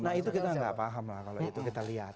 nah itu kita nggak paham lah kalau itu kita lihat